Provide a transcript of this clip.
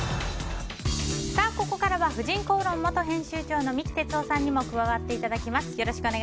ここからは「婦人公論」元編集長の三木哲男さんにも加わっていただきます。